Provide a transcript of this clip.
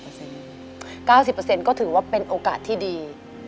๙๐เปอร์เสร็จก็ถือว่าเป็นโอกาสที่ดี